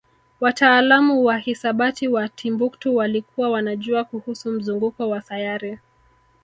wataalamu wa hisabati wa Timbuktu walikuwa wanajua kuhusu mzunguko wa sayari